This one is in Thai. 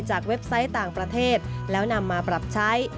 เว็บไซต์ต่างประเทศแล้วนำมาปรับใช้